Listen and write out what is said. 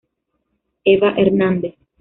Eva Hernández.